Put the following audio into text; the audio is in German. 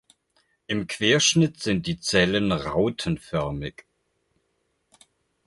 Im Querschnitt sind die Zellen rautenförmig.